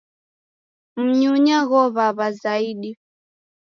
Mnyunya ghow'aw'a zaidi.